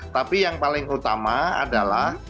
tapi yang paling utama adalah